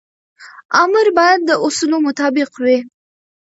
امر باید د اصولو مطابق وي.